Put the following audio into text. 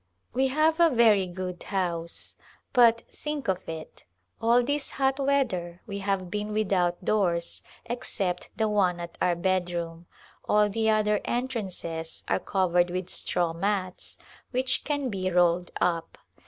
We have a very good house but — think of it ! All this hot weather we have been without doors, except the one at our bedroom ; all the other entrances are covered with straw mats which can be rolled up.